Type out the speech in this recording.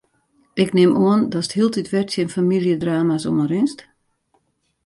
Ik nim oan datst hieltyd wer tsjin famyljedrama's oanrinst?